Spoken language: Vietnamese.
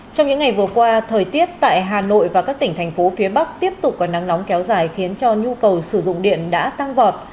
trong những ngày vừa qua thời tiết tại hà nội và các tỉnh thành phố phía bắc tiếp tục có nắng nóng kéo dài khiến cho nhu cầu sử dụng điện đã tăng vọt